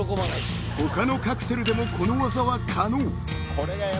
［他のカクテルでもこの技は可能］